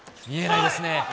見えないですね。